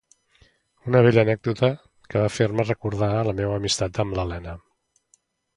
Una bella anècdota que va fer-me recordar la meua amistat amb l'Elena.